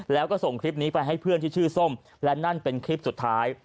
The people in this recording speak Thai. แล้วก็ส่งคลิปนี้ไปให้เพื่อนที่ชื่อส้มและนั่นเป็นคลิปสุดท้าย